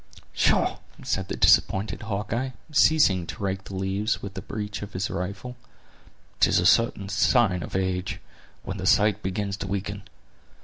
"Pshaw!" said the disappointed Hawkeye, ceasing to rake the leaves with the breech of his rifle; "'tis a certain sign of age, when the sight begins to weaken.